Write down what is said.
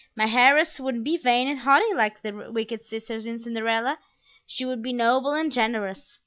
My heiress wouldn't be vain and haughty like the wicked sisters in Cinderella; she would be noble and generous.